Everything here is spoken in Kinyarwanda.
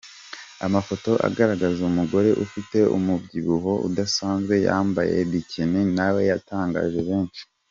Amafoto agaragaza umugore ufite umubyibuho udasanzwe yambaye Bikini nawe yatangaje benshi .